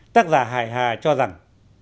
tác giả hải hà cho rằng